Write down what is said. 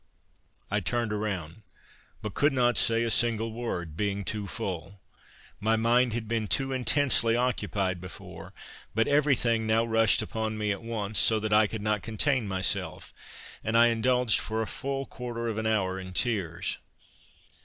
I turned about, but could not say a single word, being too full: my mind had been too intensely occupied before; but every thing now rushed upon me at once, so that I could not contain myself, and I indulged for a full quarter of an hour in tears.